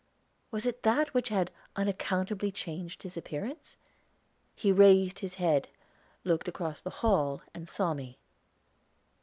Was it that which had unaccountably changed his appearance? He raised his head, looked across the hall, and saw me.